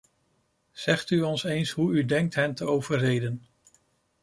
Zegt u ons eens hoe u denkt hen te overreden.